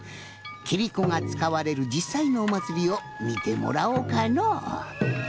キリコがつかわれるじっさいのおまつりをみてもらおうかのう。